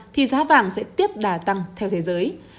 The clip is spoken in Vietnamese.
thì giá vàng sẽ tiếp đà tăng theo thế giới